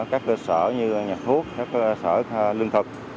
các cơ sở như nhà thuốc các sở lương thực